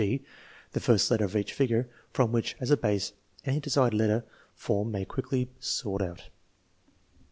g. (the first letter of each figure) from which, as a base, any desired letter form may be quickly sought out.